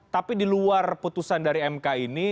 tapi di luar putusan dari mk ini